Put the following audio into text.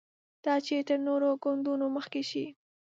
دا چې تر نورو ګوندونو مخکې شي.